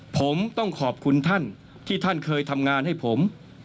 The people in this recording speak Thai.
ผมต้องขอบคุณท่านที่ท่านเคยทำงานให้ผม